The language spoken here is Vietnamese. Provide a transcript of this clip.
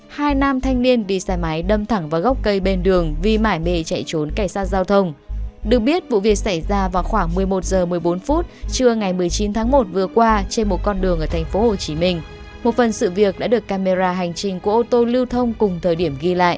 hãy đăng ký kênh để ủng hộ kênh của mình nhé